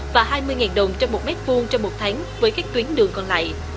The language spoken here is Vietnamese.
và hai mươi đồng trong một m hai trong một tháng với các tuyến đường còn lại